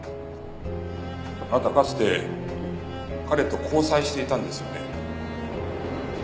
あなたかつて彼と交際していたんですよね？